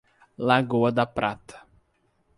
Lagoa da Prata